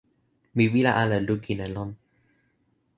mi wile ala lukin e lon.